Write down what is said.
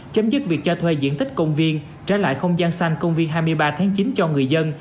chấm dứt việc cho thuê diện tích công viên trở lại không gian xanh công viên hai mươi ba tháng chín cho người dân